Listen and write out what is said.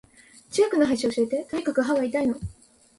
近くの歯医者教えて。とにかく歯が痛いの。